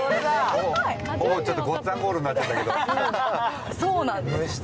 ごっつぁんゴールになっちゃったけど。